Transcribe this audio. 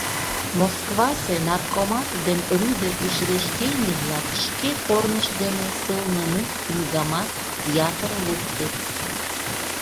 Москвасе наркомат ден рӱдӧ учреждений-влак шке корнышт дене сылнымут книгамат ятыр луктыт.